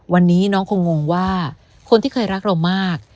วันนี้น้องคงงว่าคนที่เคยรักเรามาก